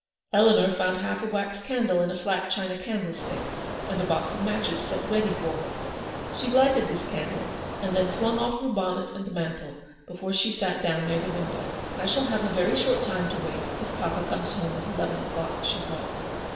Eleanor found half a wax candle in a flat china candlestick, and a box of matches, set ready for her. She lighted this candle, and then flung off her bonnet and mantle, before she sat down near the window. " I shall have a very short time to wait, if papa comes home at eleven o'clock/' she thought.